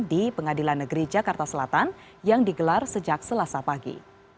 di pengadilan negeri jakarta selatan yang digelar sejak selasa pagi